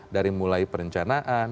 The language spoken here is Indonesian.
dari mulai perencanaan